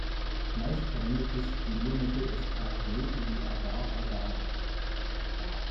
Meist verwendetes Geliermittel ist Carrageen sowie Agar Agar.